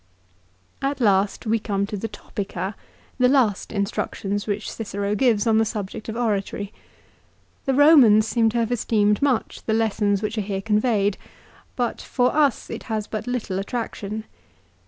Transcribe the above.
At last we come to the " Topica," the last instructions which Cicero gives on the subject of oratory. The Eomans seern to have esteemed much the lessons which are here conveyed ; but for us it has but little attraction.